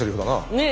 ねえ